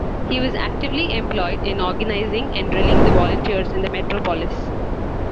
He was actively employed in organising and drilling the Volunteers in the metropolis.